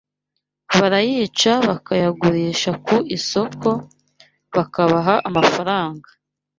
barayica bakayagurisha ku isoko bakabaha amafaranga